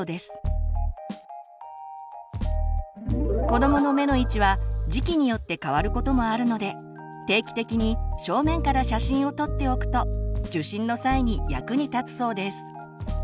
子どもの目の位置は時期によって変わることもあるので定期的に正面から写真を撮っておくと受診の際に役に立つそうです。